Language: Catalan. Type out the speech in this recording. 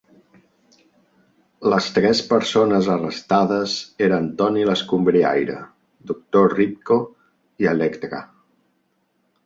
Les tres persones arrestades eren "Tony l'escombriaire", "Doctor Ripco" i "Electra".